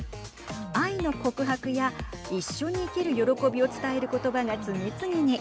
愛の告白や一緒に生きる喜びを伝える言葉が次々に。